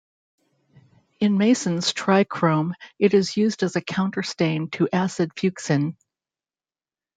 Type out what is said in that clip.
In Masson's trichrome it is used as a counterstain to acid fuchsin.